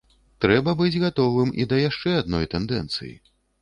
Трэба быць гатовым і да яшчэ адной тэндэнцыі.